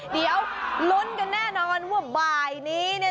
เดี๋ยวลุ้นกันแน่นอนว่าบ่ายนี้